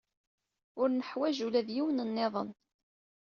Ur neḥwaj ula d yiwen niḍen.